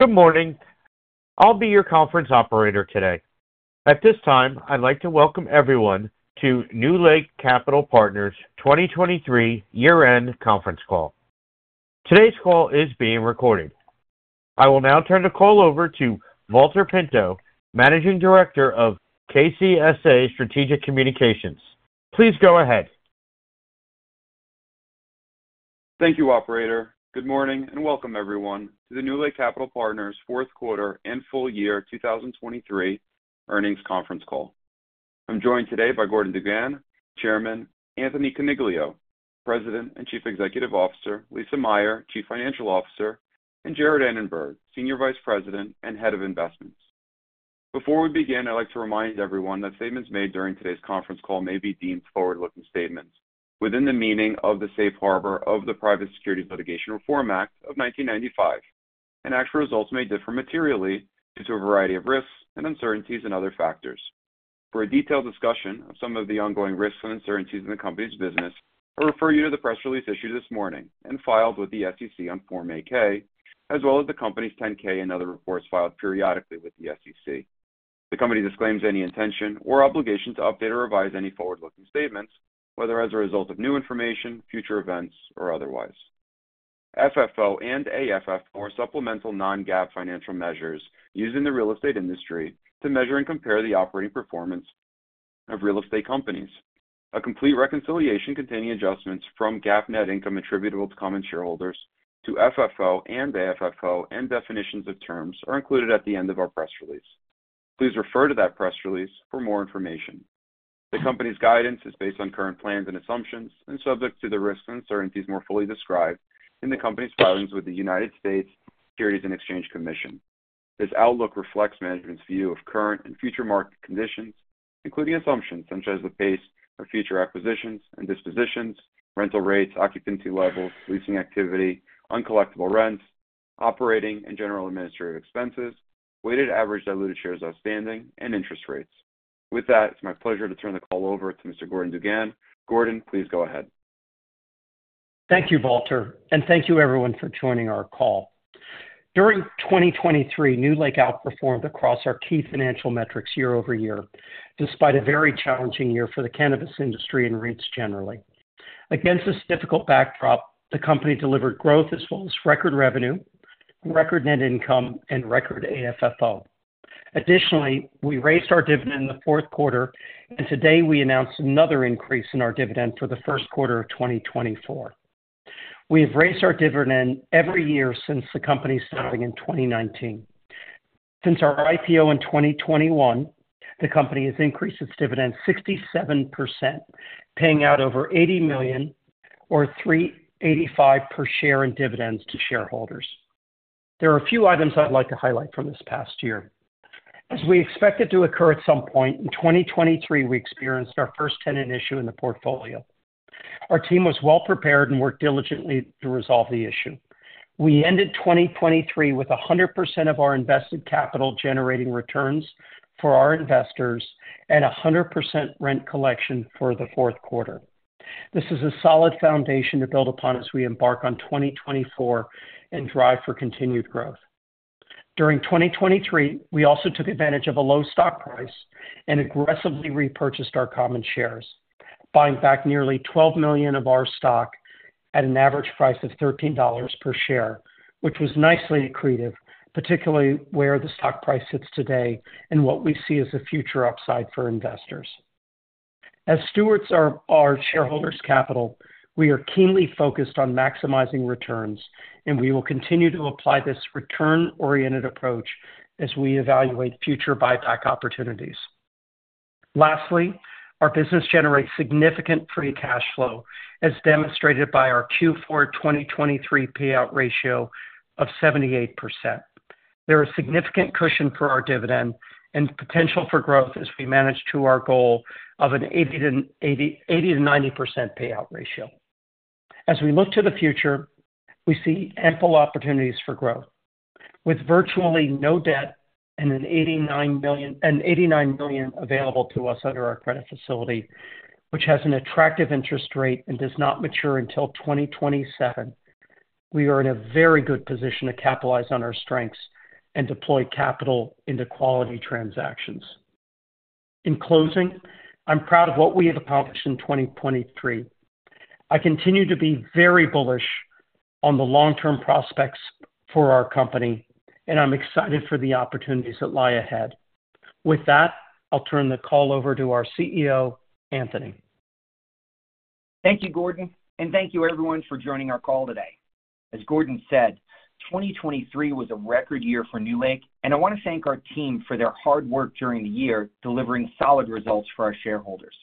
Good morning. I'll be your conference operator today. At this time, I'd like to welcome everyone to NewLake Capital Partners' 2023 year-end conference call. Today's call is being recorded. I will now turn the call over to Valter Pinto, Managing Director of KCSA Strategic Communications. Please go ahead. Thank you, operator. Good morning, and welcome everyone to the NewLake Capital Partners' fourth quarter and full year 2023 earnings conference call. I'm joined today by Gordon DuGan, Chairman; Anthony Coniglio, President and Chief Executive Officer; Lisa Meyer, Chief Financial Officer; and Jarred Anenberg, Senior Vice President and Head of Investments. Before we begin, I'd like to remind everyone that statements made during today's conference call may be deemed forward-looking statements within the meaning of the safe harbor of the Private Securities Litigation Reform Act of 1995, and actual results may differ materially due to a variety of risks and uncertainties and other factors. For a detailed discussion of some of the ongoing risks and uncertainties in the company's business, I refer you to the press release issued this morning and filed with the SEC on Form 8-K, as well as the company's 10-K and other reports filed periodically with the SEC. The company disclaims any intention or obligation to update or revise any forward-looking statements, whether as a result of new information, future events, or otherwise. FFO and AFFO are supplemental non-GAAP financial measures used in the real estate industry to measure and compare the operating performance of real estate companies. A complete reconciliation containing adjustments from GAAP net income attributable to common shareholders to FFO and AFFO and definitions of terms are included at the end of our press release. Please refer to that press release for more information. The company's guidance is based on current plans and assumptions and subject to the risks and uncertainties more fully described in the company's filings with the United States Securities and Exchange Commission. This outlook reflects management's view of current and future market conditions, including assumptions such as the pace of future acquisitions and dispositions, rental rates, occupancy levels, leasing activity, uncollectible rents, operating and general administrative expenses, weighted average diluted shares outstanding, and interest rates. With that, it's my pleasure to turn the call over to Mr. Gordon DuGan. Gordon, please go ahead. Thank you, Valter, and thank you everyone for joining our call. During 2023, NewLake outperformed across our key financial metrics year-over-year, despite a very challenging year for the cannabis industry and REITs generally. Against this difficult backdrop, the company delivered growth as well as record revenue, record net income, and record AFFO. Additionally, we raised our dividend in the fourth quarter, and today we announced another increase in our dividend for the first quarter of 2024. We have raised our dividend every year since the company starting in 2019. Since our IPO in 2021, the company has increased its dividend 67%, paying out over $80 million or $3.85 per share in dividends to shareholders. There are a few items I'd like to highlight from this past year. As we expected to occur at some point, in 2023, we experienced our first tenant issue in the portfolio. Our team was well prepared and worked diligently to resolve the issue. We ended 2023 with 100% of our invested capital, generating returns for our investors and 100% rent collection for the fourth quarter. This is a solid foundation to build upon as we embark on 2024 and drive for continued growth. During 2023, we also took advantage of a low stock price and aggressively repurchased our common shares, buying back nearly 12 million of our stock at an average price of $13 per share, which was nicely accretive, particularly where the stock price sits today and what we see as a future upside for investors. As stewards of our shareholders' capital, we are keenly focused on maximizing returns, and we will continue to apply this return-oriented approach as we evaluate future buyback opportunities. Lastly, our business generates significant free cash flow, as demonstrated by our Q4 2023 payout ratio of 78%. There is significant cushion for our dividend and potential for growth as we manage to our goal of an 80%-90% payout ratio. As we look to the future, we see ample opportunities for growth. With virtually no debt and $89 million available to us under our credit facility, which has an attractive interest rate and does not mature until 2027, we are in a very good position to capitalize on our strengths and deploy capital into quality transactions. In closing, I'm proud of what we have accomplished in 2023. I continue to be very bullish on the long-term prospects for our company, and I'm excited for the opportunities that lie ahead. With that, I'll turn the call over to our CEO, Anthony. Thank you, Gordon, and thank you everyone for joining our call today. As Gordon said, 2023 was a record year for NewLake, and I want to thank our team for their hard work during the year, delivering solid results for our shareholders.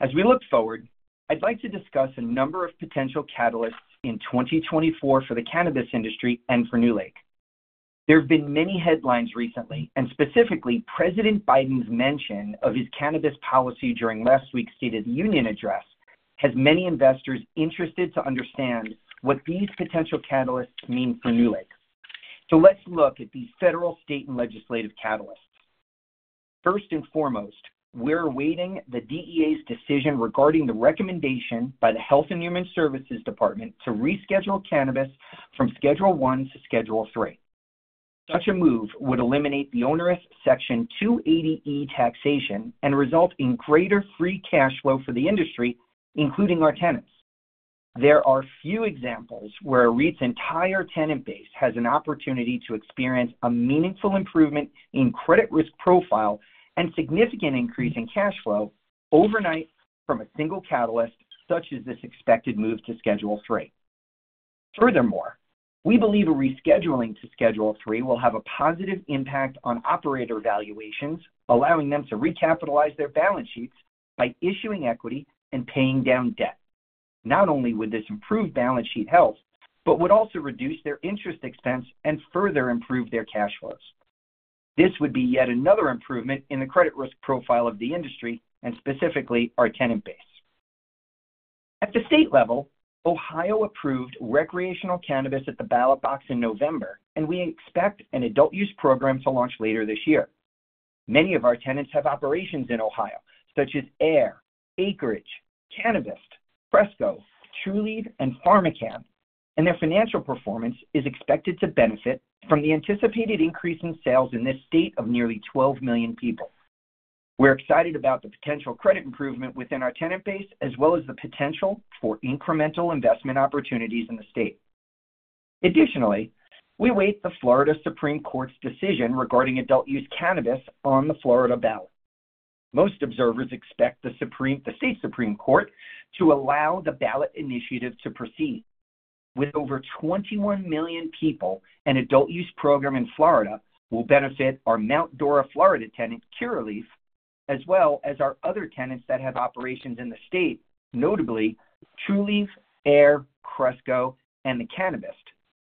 As we look forward, I'd like to discuss a number of potential catalysts in 2024 for the cannabis industry and for NewLake. There have been many headlines recently, and specifically, President Biden's mention of his cannabis policy during last week's State of the Union address has many investors interested to understand what these potential catalysts mean for NewLake. So let's look at these federal, state, and legislative catalysts. First and foremost, we're awaiting the DEA's decision regarding the recommendation by the Health and Human Services Department to reschedule cannabis from Schedule I to Schedule III. Such a move would eliminate the onerous Section 280E taxation and result in greater free cash flow for the industry, including our tenants. There are few examples where a REIT's entire tenant base has an opportunity to experience a meaningful improvement in credit risk profile and significant increase in cash flow overnight from a single catalyst, such as this expected move to Schedule III. Furthermore, we believe a rescheduling to Schedule III will have a positive impact on operator valuations, allowing them to recapitalize their balance sheets by issuing equity and paying down debt. Not only would this improve balance sheet health, but would also reduce their interest expense and further improve their cash flows. This would be yet another improvement in the credit risk profile of the industry, and specifically, our tenant base. At the state level, Ohio approved recreational cannabis at the ballot box in November, and we expect an adult use program to launch later this year. Many of our tenants have operations in Ohio, such as Ayr, Acreage, Cannabist, Cresco, Trulieve, and PharmaCann, and their financial performance is expected to benefit from the anticipated increase in sales in this state of nearly 12 million people. We're excited about the potential credit improvement within our tenant base, as well as the potential for incremental investment opportunities in the state. Additionally, we await the Florida Supreme Court's decision regarding adult use cannabis on the Florida ballot. Most observers expect the state Supreme Court to allow the ballot initiative to proceed. With over 21 million people, an adult use program in Florida will benefit our Mount Dora, Florida, tenant, Curaleaf, as well as our other tenants that have operations in the state, notably Trulieve, Ayr, Cresco, and The Cannabist,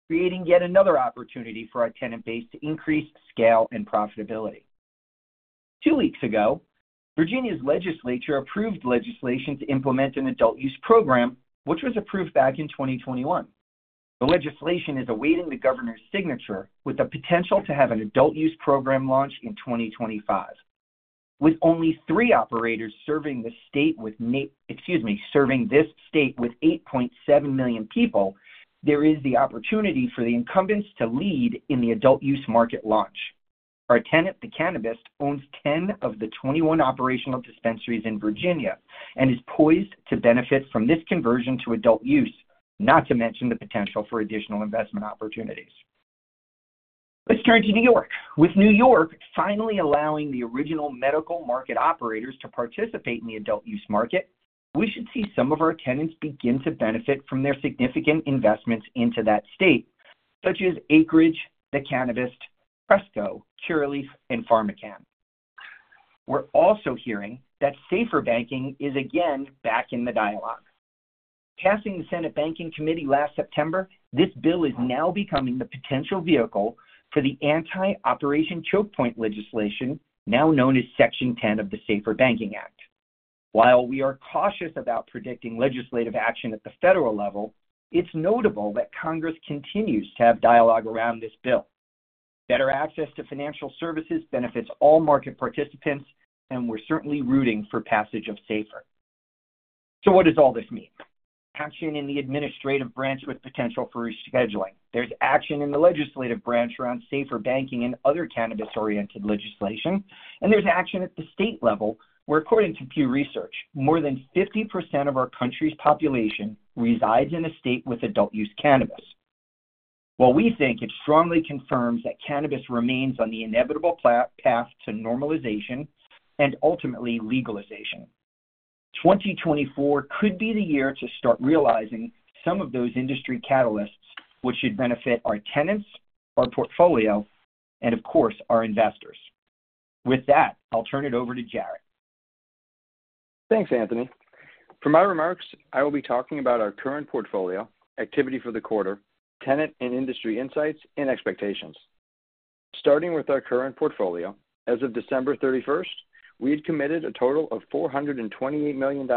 creating yet another opportunity for our tenant base to increase scale and profitability. Two weeks ago, Virginia's legislature approved legislation to implement an adult use program, which was approved back in 2021. The legislation is awaiting the governor's signature, with the potential to have an adult use program launch in 2025. With only three operators serving this state with 8.7 million people, there is the opportunity for the incumbents to lead in the adult use market launch. Our tenant, The Cannabist, owns 10 of the 21 operational dispensaries in Virginia and is poised to benefit from this conversion to adult use, not to mention the potential for additional investment opportunities. Let's turn to New York. With New York finally allowing the original medical market operators to participate in the adult use market, we should see some of our tenants begin to benefit from their significant investments into that state, such as Acreage, The Cannabist, Cresco, Curaleaf, and PharmaCann. We're also hearing that Safer Banking is again back in the dialogue. Passing the Senate Banking Committee last September, this bill is now becoming the potential vehicle for the anti-Operation Choke Point legislation, now known as Section 10 of the SAFER Banking Act. While we are cautious about predicting legislative action at the federal level, it's notable that Congress continues to have dialogue around this bill. Better access to financial services benefits all market participants, and we're certainly rooting for passage of SAFER. So what does all this mean? Action in the administrative branch with potential for rescheduling. There's action in the legislative branch around SAFER Banking and other cannabis-oriented legislation, and there's action at the state level, where, according to Pew Research, more than 50% of our country's population resides in a state with adult use cannabis. While we think it strongly confirms that cannabis remains on the inevitable path to normalization and ultimately legalization, 2024 could be the year to start realizing some of those industry catalysts, which should benefit our tenants, our portfolio, and of course, our investors. With that, I'll turn it over to Jared. Thanks, Anthony. For my remarks, I will be talking about our current portfolio, activity for the quarter, tenant and industry insights, and expectations. Starting with our current portfolio, as of December 31st, we had committed a total of $428 million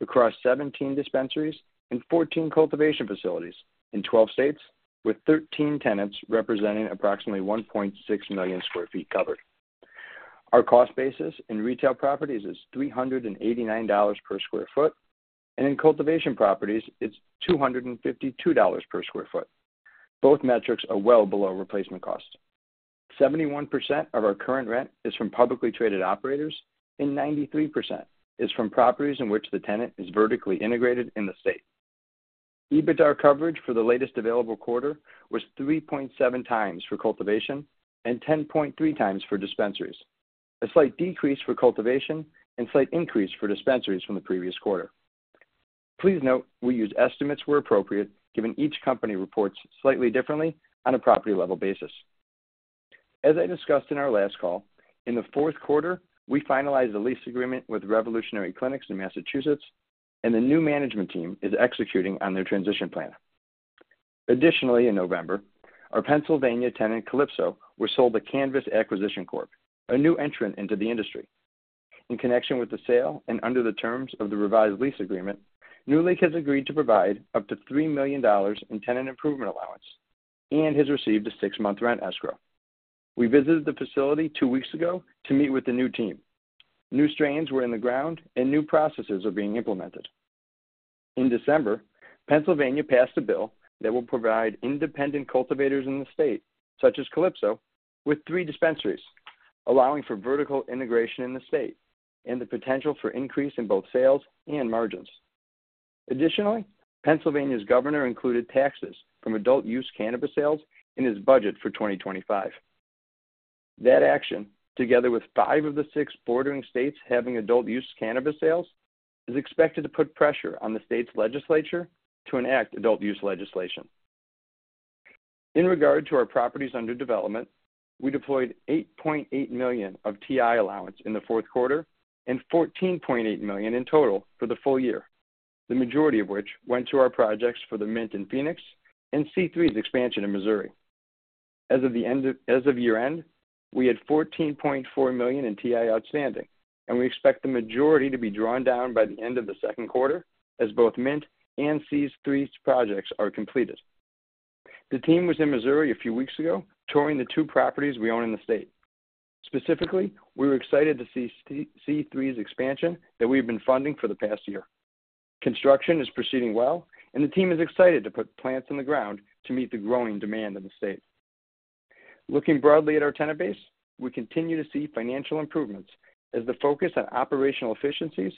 across 17 dispensaries and 14 cultivation facilities in 12 states, with 13 tenants, representing approximately 1.6 million sq ft covered. Our cost basis in retail properties is $389 per sq ft, and in cultivation properties, it's $252 per sq ft. Both metrics are well below replacement cost. 71% of our current rent is from publicly traded operators, and 93% is from properties in which the tenant is vertically integrated in the state. EBITDA coverage for the latest available quarter was 3.7x for cultivation and 10.3x for dispensaries, a slight decrease for cultivation and slight increase for dispensaries from the previous quarter. Please note we use estimates where appropriate, given each company reports slightly differently on a property-level basis. As I discussed in our last call, in the fourth quarter, we finalized a lease agreement with Revolutionary Clinics in Massachusetts, and the new management team is executing on their transition plan. Additionally, in November, our Pennsylvania tenant, Calypso, was sold to Canvas Acquisition Corp, a new entrant into the industry.... In connection with the sale and under the terms of the revised lease agreement, NewLake has agreed to provide up to $3 million in tenant improvement allowance and has received a 6-month rent escrow. We visited the facility two weeks ago to meet with the new team. New strains were in the ground and new processes are being implemented. In December, Pennsylvania passed a bill that will provide independent cultivators in the state, such as Calypso, with three dispensaries, allowing for vertical integration in the state and the potential for increase in both sales and margins. Additionally, Pennsylvania's governor included taxes from adult-use cannabis sales in his budget for 2025. That action, together with five of the six bordering states having adult-use cannabis sales, is expected to put pressure on the state's legislature to enact adult-use legislation. In regard to our properties under development, we deployed $8.8 million of TI allowance in the fourth quarter and $14.8 million in total for the full year, the majority of which went to our projects for The Mint in Phoenix and C3's expansion in Missouri. As of year-end, we had $14.4 million in TI outstanding, and we expect the majority to be drawn down by the end of the second quarter as both Mint and C3's projects are completed. The team was in Missouri a few weeks ago, touring the two properties we own in the state. Specifically, we were excited to see C3's expansion that we've been funding for the past year. Construction is proceeding well, and the team is excited to put plants in the ground to meet the growing demand in the state. Looking broadly at our tenant base, we continue to see financial improvements as the focus on operational efficiencies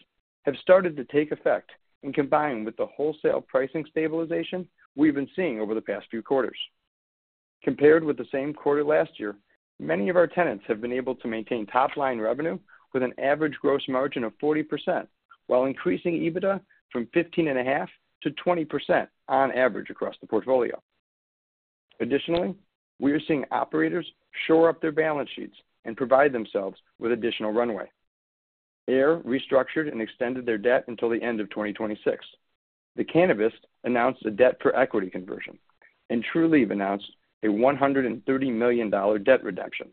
have started to take effect and combined with the wholesale pricing stabilization we've been seeing over the past few quarters. Compared with the same quarter last year, many of our tenants have been able to maintain top-line revenue with an average gross margin of 40%, while increasing EBITDA from 15.5%-20% on average across the portfolio. Additionally, we are seeing operators shore up their balance sheets and provide themselves with additional runway. Ayr restructured and extended their debt until the end of 2026. The Cannabist announced a debt for equity conversion, and Trulieve announced a $130 million debt reduction.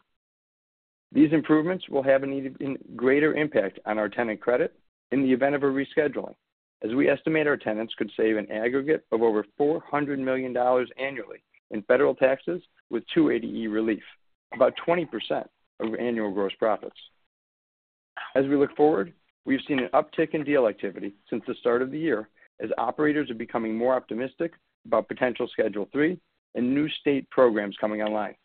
These improvements will have an even greater impact on our tenant credit in the event of a rescheduling, as we estimate our tenants could save an aggregate of over $400 million annually in federal taxes with 280E relief, about 20% of annual gross profits. As we look forward, we've seen an uptick in deal activity since the start of the year, as operators are becoming more optimistic about potential Schedule III and new state programs coming online.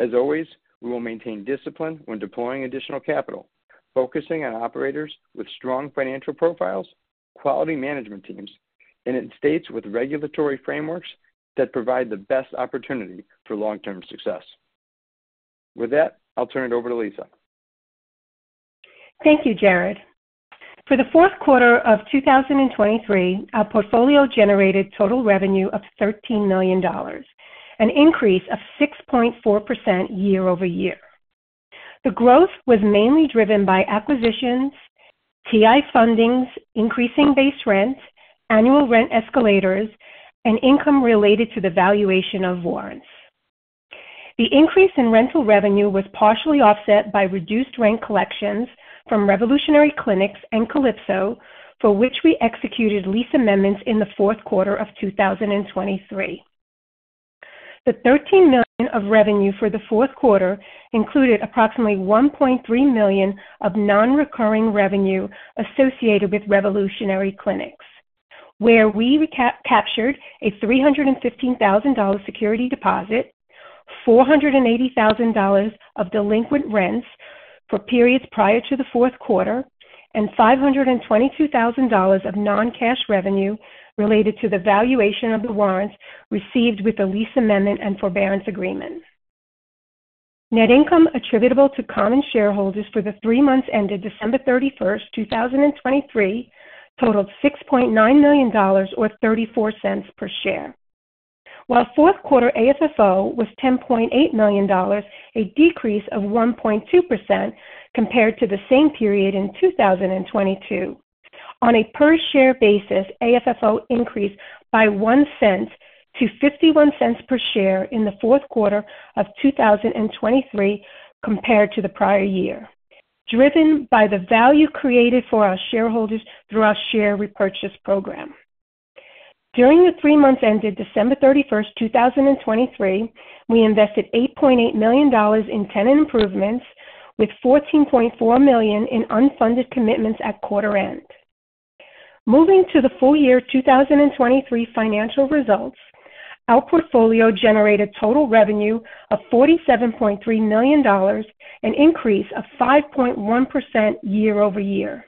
As always, we will maintain discipline when deploying additional capital, focusing on operators with strong financial profiles, quality management teams, and in states with regulatory frameworks that provide the best opportunity for long-term success. With that, I'll turn it over to Lisa. Thank you, Jared. For the fourth quarter of 2023, our portfolio generated total revenue of $13 million, an increase of 6.4% year-over-year. The growth was mainly driven by acquisitions, TI fundings, increasing base rents, annual rent escalators, and income related to the valuation of warrants. The increase in rental revenue was partially offset by reduced rent collections from Revolutionary Clinics and Calypso, for which we executed lease amendments in the fourth quarter of 2023. The $13 million of revenue for the fourth quarter included approximately $1.3 million of non-recurring revenue associated with Revolutionary Clinics, where we recaptured a $315,000 security deposit, $480,000 of delinquent rents for periods prior to the fourth quarter, and $522,000 of non-cash revenue related to the valuation of the warrants received with the lease amendment and forbearance agreements. Net income attributable to common shareholders for the three months ended December 31, 2023, totaled $6.9 million, or $0.34 per share. While fourth quarter AFFO was $10.8 million, a decrease of 1.2% compared to the same period in 2022. On a per-share basis, AFFO increased by $0.01 to $0.51 per share in the fourth quarter of 2023 compared to the prior year, driven by the value created for our shareholders through our share repurchase program. During the three months ended December 31, 2023, we invested $8.8 million in tenant improvements, with $14.4 million in unfunded commitments at quarter end. Moving to the full year 2023 financial results, our portfolio generated total revenue of $47.3 million, an increase of 5.1% year-over-year.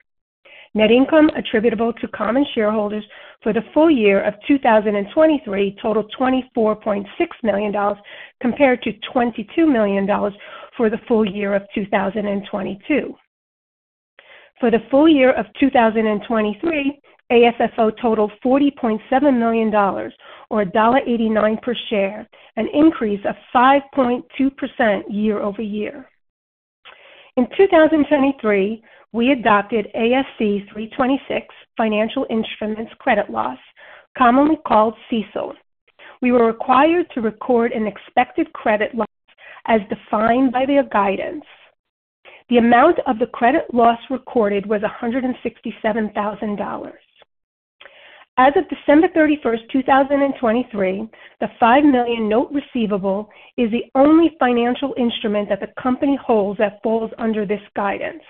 Net income attributable to common shareholders for the full year of 2023 totaled $24.6 million, compared to $22 million for the full year of 2022. For the full year of 2023, AFFO totaled $40.7 million, or $1.89 per share, an increase of 5.2% year-over-year. In 2023, we adopted ASC 326, Financial Instruments Credit Loss, commonly called CECL… we were required to record an expected credit loss as defined by their guidance. The amount of the credit loss recorded was $167,000. As of December 31, 2023, the $5 million note receivable is the only financial instrument that the company holds that falls under this guidance.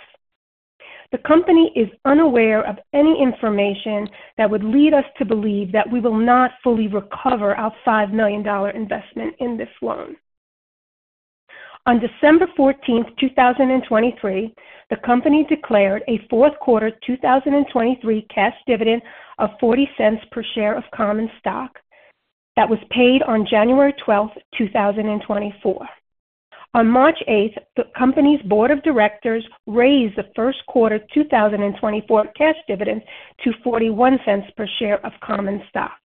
The company is unaware of any information that would lead us to believe that we will not fully recover our $5 million investment in this loan. On December 14, 2023, the company declared a fourth quarter 2023 cash dividend of $0.40 per share of common stock that was paid on January 12, 2024. On March 8, the company's board of directors raised the first quarter 2024 cash dividend to $0.41 per share of common stock,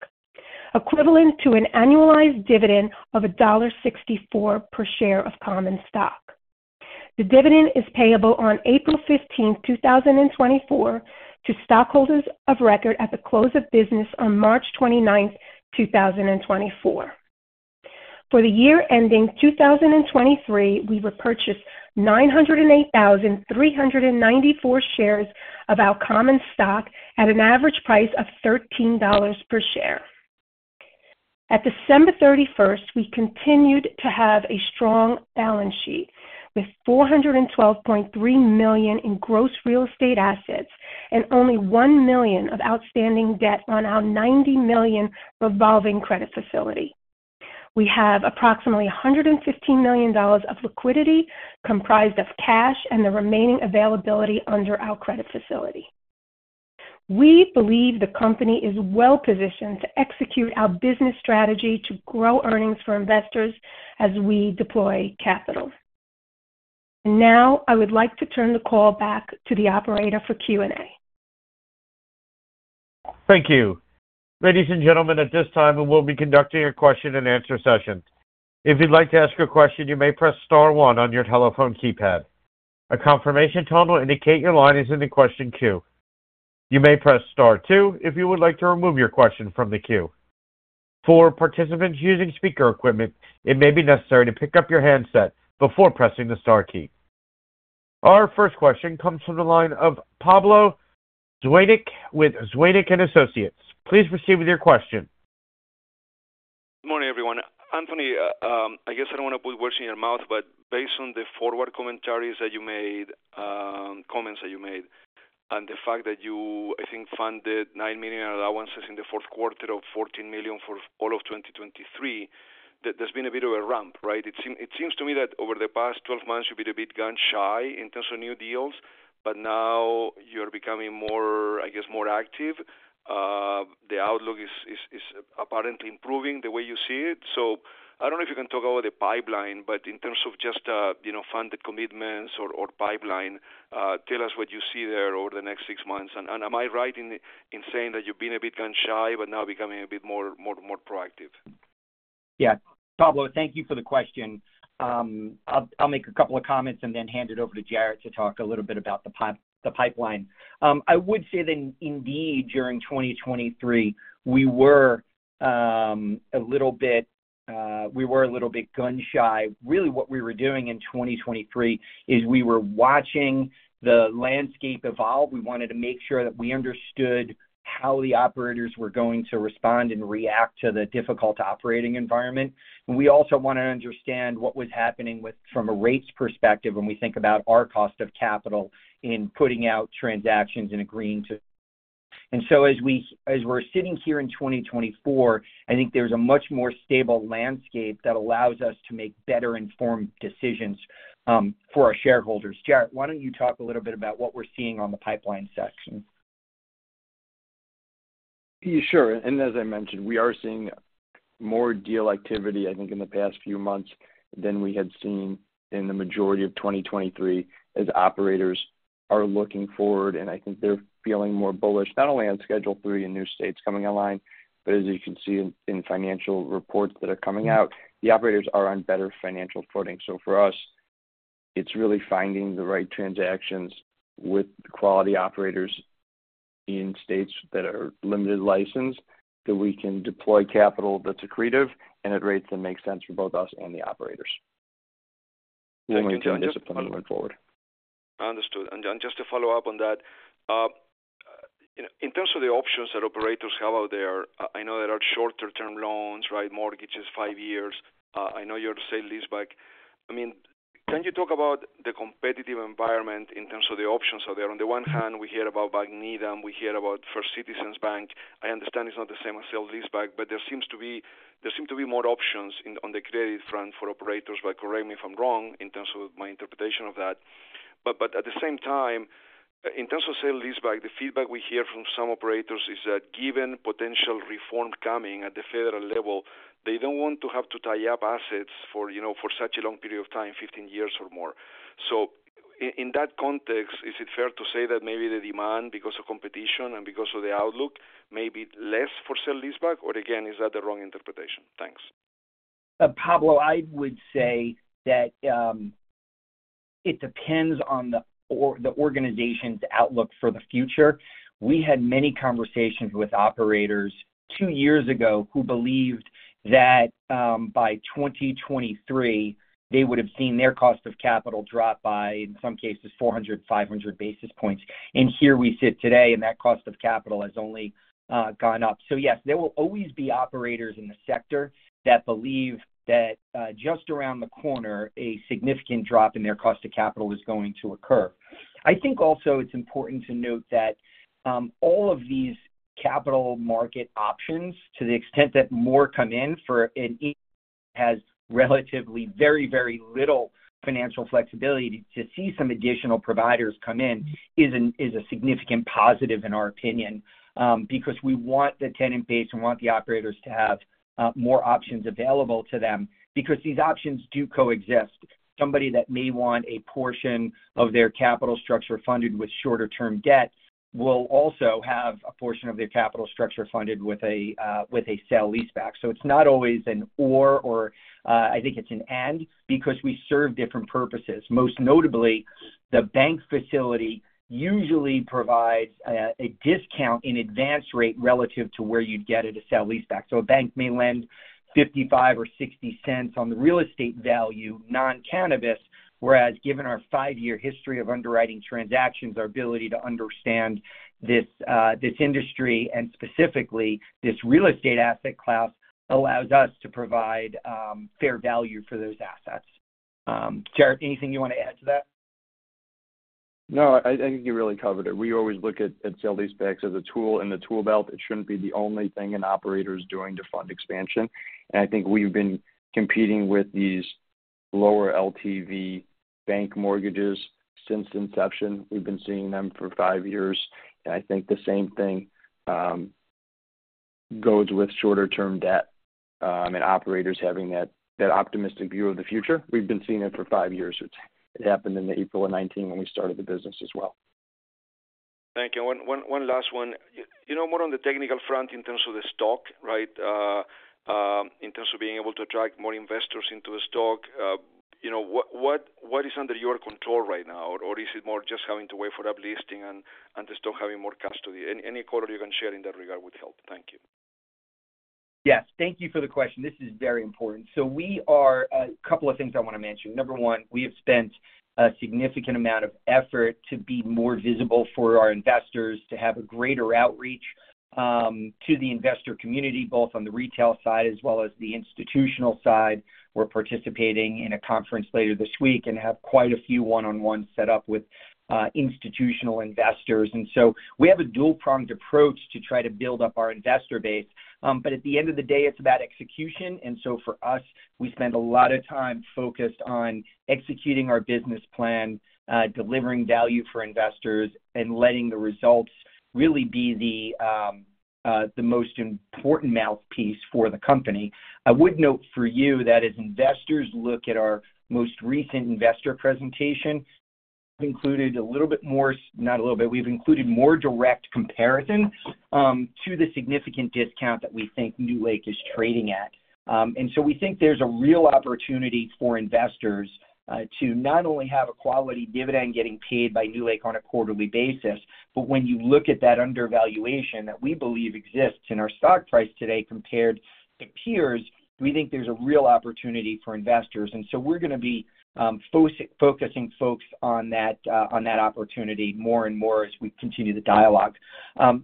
equivalent to an annualized dividend of $1.64 per share of common stock. The dividend is payable on April 15, 2024, to stockholders of record at the close of business on March 29, 2024. For the year ending 2023, we repurchased 908,394 shares of our common stock at an average price of $13 per share. of December 31, we continued to have a strong balance sheet, with $412.3 million in gross real estate assets and only $1 million of outstanding debt on our $90 million revolving credit facility. We have approximately $115 million of liquidity, comprised of cash and the remaining availability under our credit facility. We believe the company is well positioned to execute our business strategy to grow earnings for investors as we deploy capital. Now, I would like to turn the call back to the operator for Q&A. Thank you. Ladies and gentlemen, at this time, we will be conducting a question-and-answer session. If you'd like to ask a question, you may press star one on your telephone keypad. A confirmation tone will indicate your line is in the question queue. You may press star two if you would like to remove your question from the queue. For participants using speaker equipment, it may be necessary to pick up your handset before pressing the star key. Our first question comes from the line of Pablo Zuanic with Zuanic & Associates. Please proceed with your question. Good morning, everyone. Anthony, I guess I don't want to put words in your mouth, but based on the forward commentaries that you made, comments that you made, and the fact that you, I think, funded $9 million allowances in the fourth quarter of $14 million for all of 2023, there's been a bit of a ramp, right? It seems to me that over the past 12 months, you've been a bit gun-shy in terms of new deals, but now you're becoming more, I guess, more active. The outlook is apparently improving the way you see it. So I don't know if you can talk about the pipeline, but in terms of just, you know, funded commitments or pipeline, tell us what you see there over the next 6 months. And am I right in saying that you've been a bit gun-shy, but now becoming a bit more proactive? Yeah. Pablo, thank you for the question. I'll make a couple of comments and then hand it over to Jared to talk a little bit about the pipeline. I would say that indeed, during 2023, we were a little bit gun-shy. Really, what we were doing in 2023 is we were watching the landscape evolve. We wanted to make sure that we understood how the operators were going to respond and react to the difficult operating environment. And we also wanted to understand what was happening with from a rates perspective when we think about our cost of capital in putting out transactions and agreeing to. So as we're sitting here in 2024, I think there's a much more stable landscape that allows us to make better informed decisions for our shareholders. Jared, why don't you talk a little bit about what we're seeing on the pipeline section? Sure. And as I mentioned, we are seeing more deal activity, I think, in the past few months than we had seen in the majority of 2023, as operators are looking forward, and I think they're feeling more bullish, not only on Schedule III and new states coming online, but as you can see in, in financial reports that are coming out, the operators are on better financial footing. So for us, it's really finding the right transactions with the quality operators in states that are limited license, that we can deploy capital that's accretive and at rates that make sense for both us and the operators. Thank you, Jared. disciplining going forward. Understood. And just to follow up on that, in terms of the options that operators have out there, I know there are shorter-term loans, right? Mortgages, five years. I know you're a sale-leaseback. I mean, can you talk about the competitive environment in terms of the options out there? On the one hand, we hear about Needham Bank, we hear about First Citizens Bank. I understand it's not the same as sale-leaseback, but there seem to be more options in, on the creative front for operators, but correct me if I'm wrong in terms of my interpretation of that. But at the same time, in terms of sale-leaseback, the feedback we hear from some operators is that given potential reform coming at the federal level, they don't want to have to tie up assets for, you know, for such a long period of time, 15 years or more. So in that context, is it fair to say that maybe the demand, because of competition and because of the outlook, may be less for sale-leaseback, or again, is that the wrong interpretation? Thank you.... Pablo, I would say that it depends on the organization's outlook for the future. We had many conversations with operators two years ago who believed that by 2023, they would have seen their cost of capital drop by, in some cases, 400, 500 basis points. And here we sit today, and that cost of capital has only gone up. So yes, there will always be operators in the sector that believe that just around the corner, a significant drop in their cost of capital is going to occur. I think also it's important to note that all of these capital market options, to the extent that more come in for, and each has relatively very, very little financial flexibility. To see some additional providers come in is a significant positive, in our opinion, because we want the tenant base and want the operators to have more options available to them. Because these options do coexist. Somebody that may want a portion of their capital structure funded with shorter-term debt will also have a portion of their capital structure funded with a sale leaseback. So it's not always an or, I think it's an and, because we serve different purposes. Most notably, the bank facility usually provides a discount in advance rate relative to where you'd get at a sale leaseback. So a bank may lend 55 or 60 cents on the real estate value, non-cannabis, whereas given our 5-year history of underwriting transactions, our ability to understand this industry and specifically this real estate asset class allows us to provide fair value for those assets. Jared, anything you want to add to that? No, I think you really covered it. We always look at sale-leasebacks as a tool in the tool belt. It shouldn't be the only thing an operator is doing to fund expansion. I think we've been competing with these lower LTV bank mortgages since inception. We've been seeing them for five years, and I think the same thing goes with shorter-term debt and operators having that optimistic view of the future. We've been seeing it for five years. It happened in April of 2019 when we started the business as well. Thank you. One last one. You know, more on the technical front in terms of the stock, right? In terms of being able to attract more investors into the stock, you know, what is under your control right now? Or is it more just having to wait for up listing and the stock having more custody? Any color you can share in that regard would help. Thank you. Yes, thank you for the question. This is very important. A couple of things I want to mention. Number one, we have spent a significant amount of effort to be more visible for our investors, to have a greater outreach to the investor community, both on the retail side as well as the institutional side. We're participating in a conference later this week and have quite a few one-on-ones set up with institutional investors. And so we have a dual-pronged approach to try to build up our investor base. But at the end of the day, it's about execution. And so for us, we spend a lot of time focused on executing our business plan, delivering value for investors, and letting the results really be the most important mouthpiece for the company. I would note for you that as investors look at our most recent investor presentation, we've included a little bit more, not a little bit, we've included more direct comparison to the significant discount that we think NewLake is trading at. And so we think there's a real opportunity for investors to not only have a quality dividend getting paid by NewLake on a quarterly basis, but when you look at that undervaluation that we believe exists in our stock price today compared to peers, we think there's a real opportunity for investors. And so we're going to be focusing folks on that opportunity more and more as we continue the dialogue.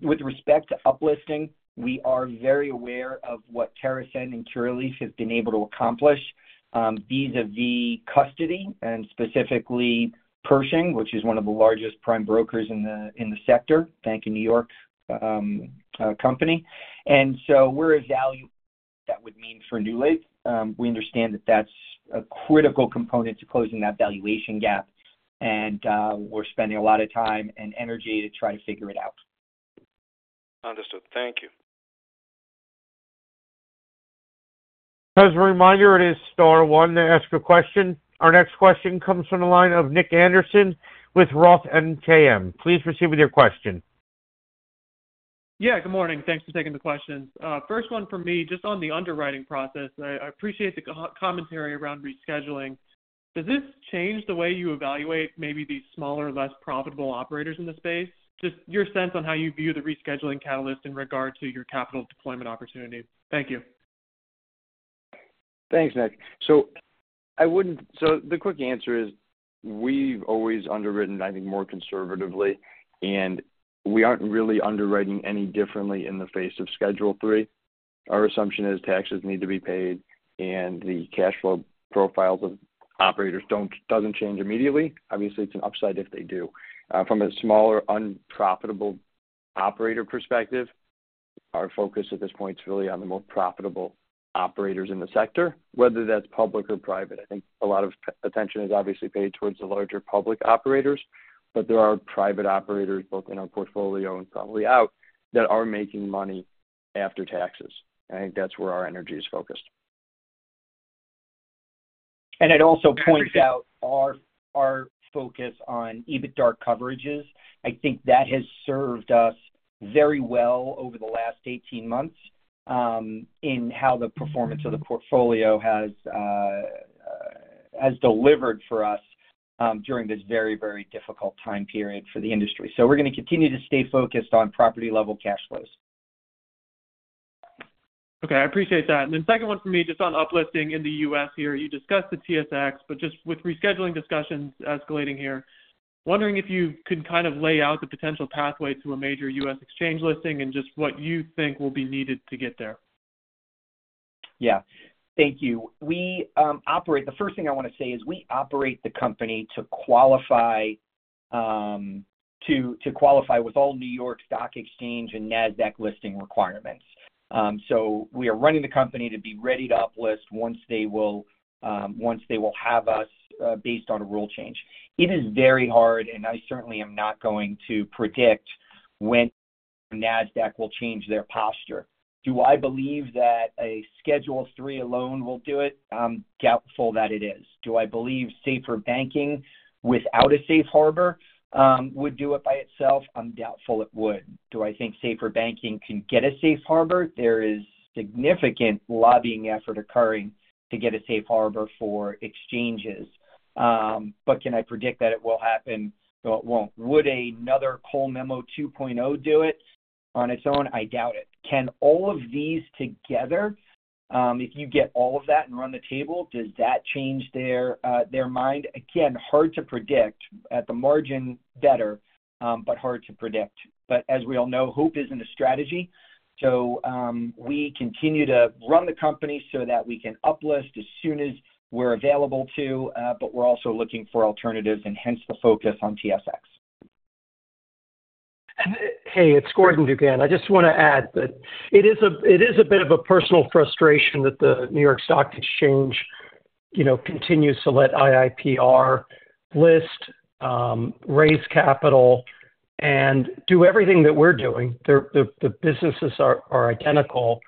With respect to uplisting, we are very aware of what TerrAscend and Curaleaf have been able to accomplish, vis-a-vis custody and specifically Pershing, which is one of the largest prime brokers in the sector, Bank of New York company. And so we value what that would mean for NewLake. We understand that that's a critical component to closing that valuation gap, and we're spending a lot of time and energy to try to figure it out. Understood. Thank you. As a reminder, it is star one to ask a question. Our next question comes from the line of Nick Anderson with Roth MKM. Please proceed with your question. Yeah, good morning. Thanks for taking the questions. First one for me, just on the underwriting process. I appreciate the commentary around rescheduling. Does this change the way you evaluate maybe the smaller, less profitable operators in the space? Just your sense on how you view the rescheduling catalyst in regard to your capital deployment opportunity. Thank you. Thanks, Nick. So I wouldn't... So the quick answer is, we've always underwritten, I think, more conservatively, and we aren't really underwriting any differently in the face of Schedule Three. Our assumption is taxes need to be paid, and the cash flow profiles of operators doesn't change immediately. Obviously, it's an upside if they do. From a smaller, unprofitable operator perspective, our focus at this point is really on the more profitable operators in the sector, whether that's public or private. I think a lot of attention is obviously paid towards the larger public operators, but there are private operators, both in our portfolio and probably out, that are making money after taxes. I think that's where our energy is focused. ...And I'd also point out our focus on EBITDA coverages. I think that has served us very well over the last 18 months, in how the performance of the portfolio has delivered for us, during this very, very difficult time period for the industry. So we're gonna continue to stay focused on property-level cash flows. Okay, I appreciate that. Then second one for me, just on uplisting in the U.S. here. You discussed the TSX, but just with rescheduling discussions escalating here, wondering if you can kind of lay out the potential pathway to a major U.S. exchange listing and just what you think will be needed to get there? Yeah. Thank you. We operate -- the first thing I wanna say is we operate the company to qualify, to, to qualify with all New York Stock Exchange and NASDAQ listing requirements. So we are running the company to be ready to uplist once they will, once they will have us, based on a rule change. It is very hard, and I certainly am not going to predict when NASDAQ will change their posture. Do I believe that a Schedule Three alone will do it? I'm doubtful that it is. Do I believe safer banking without a safe harbor, would do it by itself? I'm doubtful it would. Do I think safer banking can get a safe harbor? There is significant lobbying effort occurring to get a safe harbor for exchanges. But can I predict that it will happen? No, it won't. Would another Cole Memo 2.0 do it on its own? I doubt it. Can all of these together, if you get all of that and run the table, does that change their mind? Again, hard to predict. At the margin, better, but hard to predict. But as we all know, hope isn't a strategy. So, we continue to run the company so that we can uplist as soon as we're available to, but we're also looking for alternatives, and hence the focus on TSX. Hey, it's Gordon DuGan. I just wanna add that it is a bit of a personal frustration that the New York Stock Exchange, you know, continues to let IIPR list, raise capital and do everything that we're doing. The businesses are identical,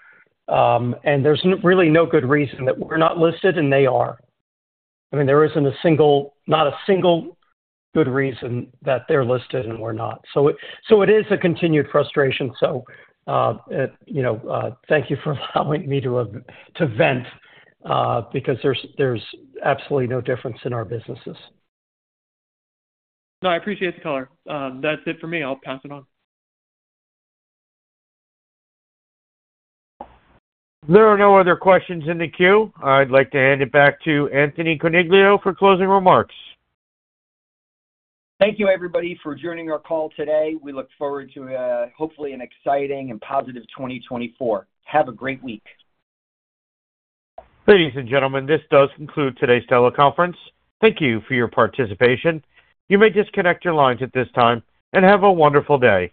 and there's really no good reason that we're not listed and they are. I mean, there isn't a single, not a single good reason that they're listed and we're not. So it is a continued frustration. So, you know, thank you for allowing me to vent, because there's absolutely no difference in our businesses. No, I appreciate the color. That's it for me. I'll pass it on. There are no other questions in the queue. I'd like to hand it back to Anthony Coniglio for closing remarks. Thank you, everybody, for joining our call today. We look forward to, hopefully, an exciting and positive 2024. Have a great week. Ladies and gentlemen, this does conclude today's teleconference. Thank you for your participation. You may disconnect your lines at this time, and have a wonderful day.